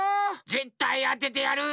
ぜったいあててやる！